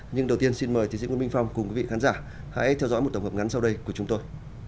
nhưng đầu tiên xin mời tiến sĩ nguyễn minh phong cùng quý vị khán giả hãy theo dõi một tổng hợp ngắn sau đây của chúng tôi